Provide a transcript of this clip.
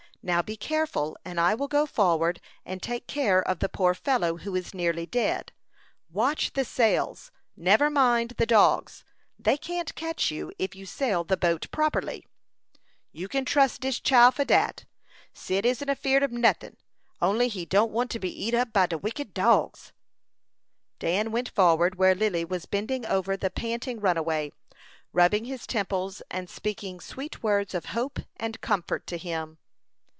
Now, be careful, and I will go forward, and take care of the poor fellow, who is nearly dead. Watch the sails; never mind the dogs; they can't catch you, if you sail the boat properly." "You kin trus dis chile for dat. Cyd isn't afeerd ob notin, only he don't want to be eat up by de wicked dogs." Dan went forward, where Lily was bending over the panting runaway, rubbing his temples, and speaking sweet words of hope and comfort to him.